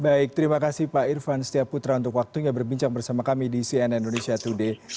baik terima kasih pak irvan setia putra untuk waktunya berbincang bersama kami di cnn indonesia today